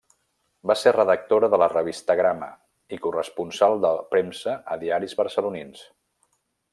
Va ser redactora de la revista Grama, i corresponsal de premsa a diaris barcelonins.